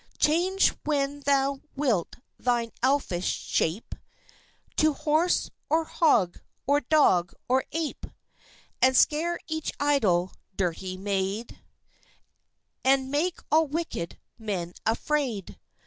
Change when thou wilt thine Elfish shape, To horse, or hog, or dog, or ape; And scare each idle dirty maid, And make all wicked men afraid.